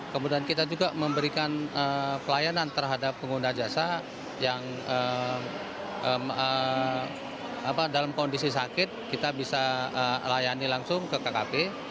kemudian kita juga memberikan pelayanan terhadap pengguna jasa yang dalam kondisi sakit kita bisa layani langsung ke kkp